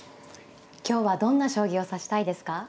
今日はどんな将棋を指したいですか。